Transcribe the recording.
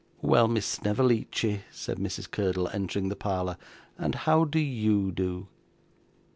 'Well, Miss Snevellicci,' said Mrs. Curdle, entering the parlour, 'and how do YOU do?